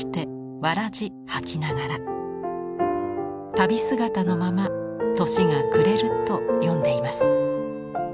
旅姿のまま年が暮れると詠んでいます。